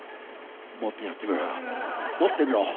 もっとやってみろよ。